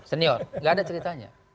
senior gak ada ceritanya